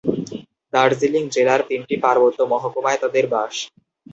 দার্জিলিং জেলার তিনটি পার্বত্য মহকুমায় তাদের বাস।